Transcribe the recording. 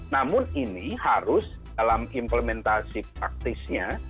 namun ini harus dalam implementasi praktisnya